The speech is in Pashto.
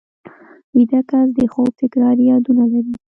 ویده کس د خوب تکراري یادونه لري